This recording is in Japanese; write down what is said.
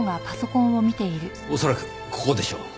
恐らくここでしょう。